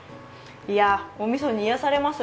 いや、おみそに癒やされます。